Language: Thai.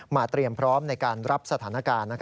เตรียมพร้อมในการรับสถานการณ์